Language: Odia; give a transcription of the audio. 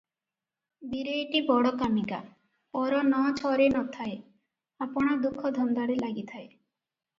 ବୀରେଇଟି ବଡ କାମିକା, ପର ନ-ଛରେ ନ ଥାଏ, ଆପଣା ଦୁଃଖ ଧନ୍ଦାରେ ଲାଗିଥାଏ ।